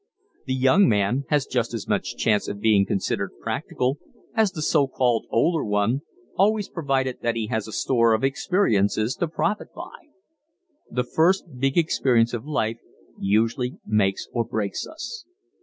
The young man has just as much chance of being considered practical as the so called older one, always provided that he has a store of experiences to profit by. The first big experience of life usually makes or breaks us.